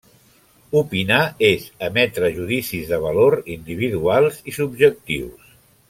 Opinar és emetre judicis de valor individuals i subjectius.